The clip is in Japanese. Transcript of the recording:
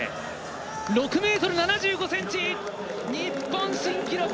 ６ｍ７５ｃｍ！日本新記録！